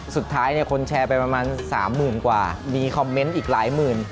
สุดท้ายคนแชร์ไปประมาณสามหมื่นกว่ามีคอมเมนต์อีกหลายหมื่น